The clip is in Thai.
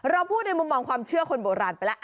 เราพูดในมุมมองความเชื่อคนโบราณไปแล้ว